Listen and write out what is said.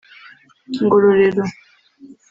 Ngororero